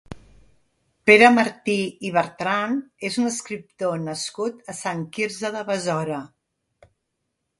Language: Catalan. Pere Martí i Bertran és un escriptor nascut a Sant Quirze de Besora.